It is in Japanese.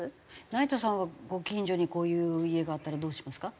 成田さんはご近所にこういう家があったらどうしますか？